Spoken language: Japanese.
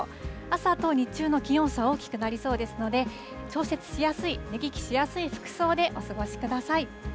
朝と日中の気温差、大きくなりそうですので、調節しやすい、脱ぎ着しやすい服装でお過ごしください。